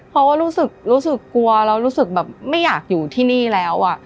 เพราะว่ารู้สึกกลัวแล้วรู้สึกแบบไม่อยากอยู่ที่นี่แล้ว